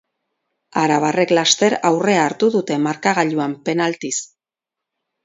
Arabarrek laster aurrea hartu dute markagailuan penaltiz.